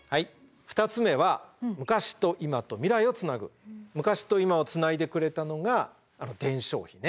２つ目は昔と今をつないでくれたのがあの伝承碑ね。